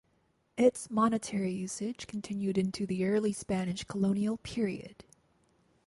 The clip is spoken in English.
Its monetary usage continued into the early Spanish colonial period